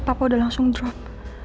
papa udah langsung drop